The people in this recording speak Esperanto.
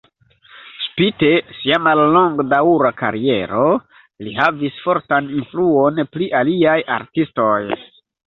Spite sia mallongdaŭra kariero, li havis fortan influon pli aliaj artistoj.